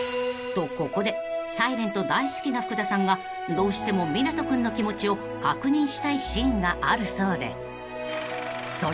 ［とここで『ｓｉｌｅｎｔ』大好きな福田さんがどうしても湊斗君の気持ちを確認したいシーンがあるそうで］